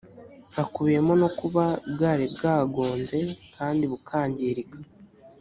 hakubiyemo no kuba bwari bwagonze kandi bukangirika